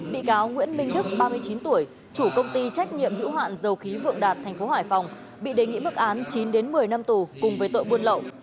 bị cáo nguyễn minh đức ba mươi chín tuổi chủ công ty trách nhiệm hữu hạn dầu khí vượng đạt thành phố hải phòng bị đề nghị mức án chín đến một mươi năm tù cùng với tội buôn lậu